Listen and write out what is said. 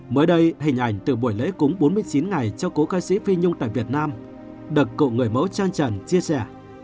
mới đây hình ảnh từ buổi lễ cúng bốn mươi chín ngày cho cố ca sĩ phi nhung tại việt nam được cậu người mẫu trang trần chia sẻ